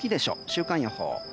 週間予報。